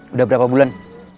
udah berapa bulan